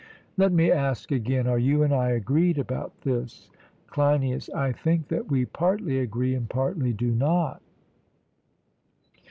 Let me ask again, Are you and I agreed about this? CLEINIAS: I think that we partly agree and partly do not.